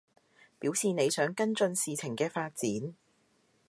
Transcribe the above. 表示你想跟進事情嘅發展